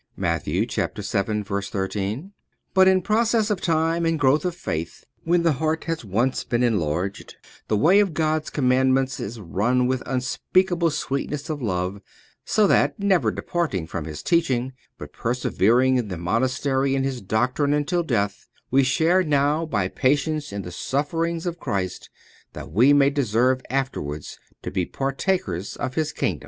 1919Matth. vii. 13. But in process of time and growth of faith, when the heart has once been enlarged, the way of God's commandments is run with unspeakable sweetness of love; so that, never departing from His teaching, but persevering in the Monastery in His doctrine until death, we share now by patience in the sufferings of Christ, that we may deserve afterwards to be partakers of His kingdom.